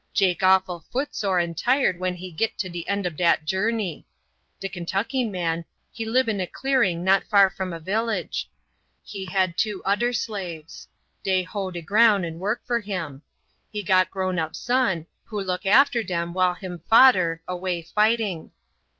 Jake awful footsore and tired when he git to de end ob dat journey. De Kentucky man he lib in a clearing not far from a village. He had two oder slaves; dey hoe de ground and work for him. He got grown up son, who look after dem while him fader away fighting.